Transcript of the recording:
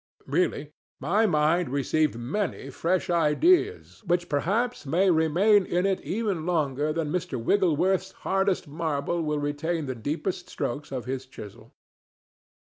Really, my mind received many fresh ideas which perhaps may remain in it even longer than Mr. Wigglesworth's hardest marble will retain the deepest strokes of his chisel.